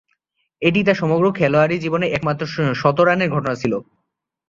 এটিই তার সমগ্র খেলোয়াড়ী জীবনের একমাত্র শতরানের ঘটনা ছিল।